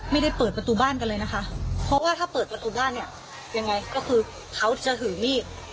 ไม่ได้เปิดประตูบ้านกันเลยนะคะเพราะว่าถ้าเปิดประตูบ้านเนี่ยยังไงก็คือเขาจะถือมีด